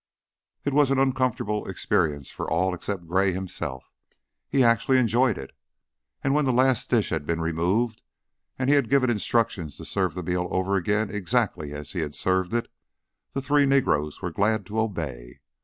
It was an uncomfortable experience for all except Gray himself he actually enjoyed it and when the last dish had been removed, and he had given instructions to serve the meal over again exactly as he had served it, the three negroes were glad to obey.